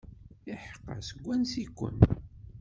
Iḥeqqa, seg wansi-ken?